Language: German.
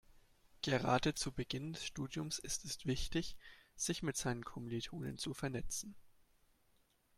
Gerade zu Beginn des Studiums ist es wichtig, sich mit seinen Kommilitonen zu vernetzen.